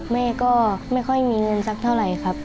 แม่ก็ไม่ค่อยมีเงินสักเท่าไหร่ครับ